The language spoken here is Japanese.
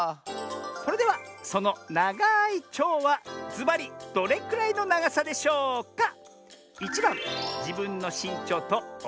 それではそのながいちょうはずばりどれくらいのながさでしょうか？